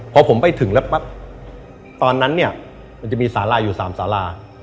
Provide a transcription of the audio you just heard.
พอผมไปถึงแล้วปั๊บตอนนั้นเนี่ยมันจะมีสาราอยู่๓สารา